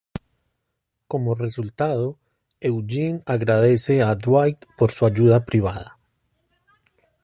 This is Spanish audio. Como resultado, Eugene agradece a Dwight por su ayuda privada.